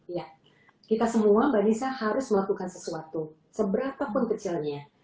ya kita semua mbak nisa harus melakukan sesuatu seberapapun kecilnya